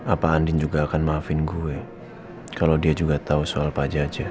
apa andin juga akan maafin gue kalau dia juga tahu soal pak jaja